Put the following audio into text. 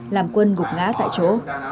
làm quân gục ngá tại chỗ